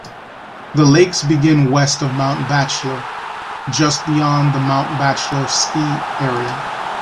The lakes begin west of Mount Bachelor, just beyond the Mount Bachelor ski area.